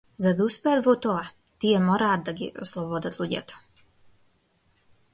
За да успеат во тоа тие мораат да ги ослободат луѓето.